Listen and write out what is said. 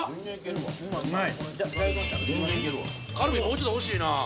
もうちょっと欲しいな。